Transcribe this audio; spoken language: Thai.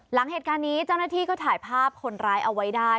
หลังเหตุการณ์นี้เจ้าหน้าที่ก็ถ่ายภาพคนร้ายเอาไว้ได้